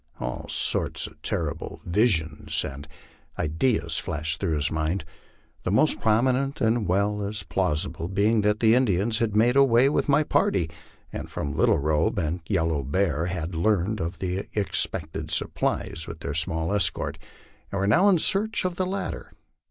All sorts of terrible visions and ideas flashed through his mind ; the most prominent as well as plausible being that the Indians had made away with my party, and from Little Robe and Yellow Bear had learned of the expected supplies, with their small escort, and were now in search of the lat ter.